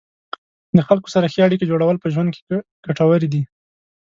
د خلکو سره ښې اړیکې جوړول په ژوند کې ګټورې دي.